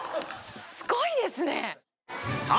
すごいですね浜